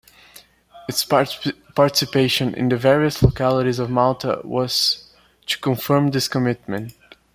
Its participation in the various localities of Malta was to confirm this commitment.